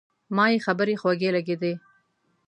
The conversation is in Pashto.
ما یې خبرې خوږې لګېدې.